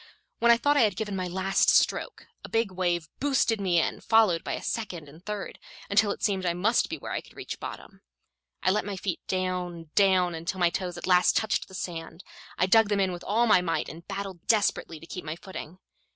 When I thought I had given my last stroke, a big wave boosted me in, followed by a second and third, until it seemed I must be where I could reach bottom. I let my feet down, down, until my toes at last touched the sand. I dug them in with all my might, and battled desperately to keep my footing.